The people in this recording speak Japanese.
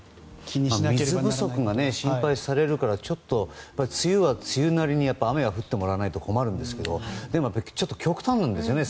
水不足が心配されるからちょっと、梅雨は梅雨なりに雨は降ってもらわないと困るんですけどでも、極端なんですよね。